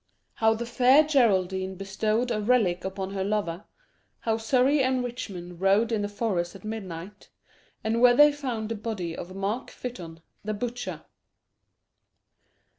How the Fair Geraldine bestowed a Relic upon her Lover How Surrey and Richmond rode in the Forest at Midnight And where they found the Body of Mark Fytton, the Butcher.